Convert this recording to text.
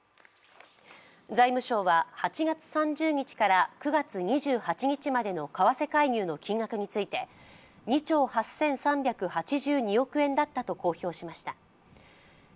財務省は８月３０日から９月２８日までの為替介入の金額について、２兆８３８２億円だったと公表しました。